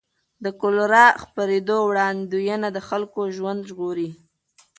د کولرا خپرېدو وړاندوینه د خلکو ژوند ژغوري.